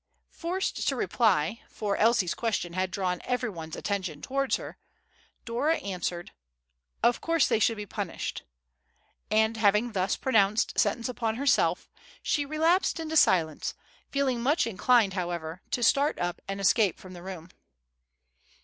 Forced to reply, for Elsie's question had drawn every one's attention towards her, Dora answered, "Of course they should be punished;" and having thus pronounced sentence upon herself, she relapsed into silence, feeling much inclined, however, to start up and escape from the room.